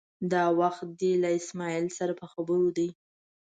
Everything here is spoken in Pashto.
دا وخت دی له اسمعیل سره په خبرو دی.